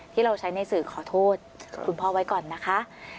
ที่เราใช้ในสื่อขอโทษคุณพ่อไว้ก่อนนะคะ